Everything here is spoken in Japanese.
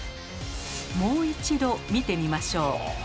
もう一度見てみましょう。